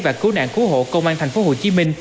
và cứu nạn cứu hộ công an tp hcm